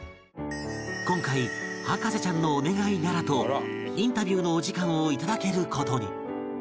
今回博士ちゃんのお願いならとインタビューのお時間を頂ける事に